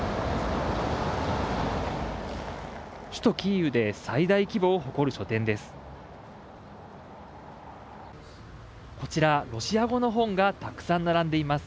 首都キーウで最大規模を誇る書店です。